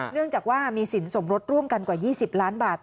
เนื่องจากว่ามีสินสมรสร่วมกันกว่า๒๐ล้านบาท